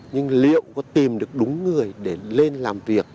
nhưng liệu có tìm được đúng người để lên làm việc